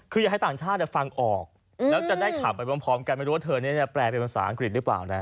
คืออยากให้ต่างชาติฟังออกแล้วจะได้ข่าวไปพร้อมกันไม่รู้ว่าเธอนี้จะแปลเป็นภาษาอังกฤษหรือเปล่านะ